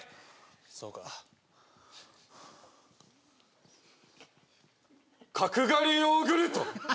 そうか角刈りヨーグルト？